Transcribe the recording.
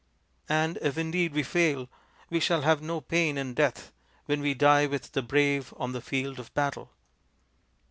And if indeed we fail, we shall have no pain in death when we die with the brave on the field of battle."